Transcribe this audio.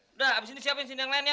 sudah habis ini siapkan yang lainnya